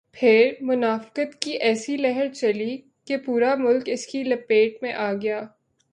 پھر منافقت کی ایسی لہر چلی کہ پورا ملک اس کی لپیٹ میں آ گیا۔